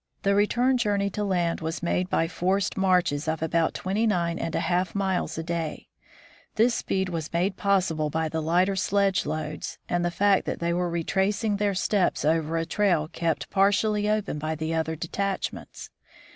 . The return journey to land was made by forced marches of about twenty nine and a half miles a day. This speed was made possible by the lighter sledge loads, and the fact that they were retracing their steps over a trail kept par tially open by the other detachments.